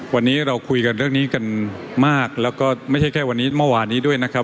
วันนี้เราคุยกันเรื่องนี้กันมากแล้วก็ไม่ใช่แค่วันนี้เมื่อวานนี้ด้วยนะครับ